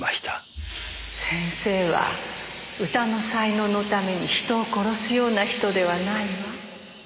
先生は歌の才能のために人を殺すような人ではないわ。